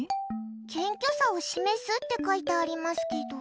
謙虚さを示すって書いてありますけど。